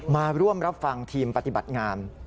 มาร่วมรับฟังทีมปฏิบัติงาม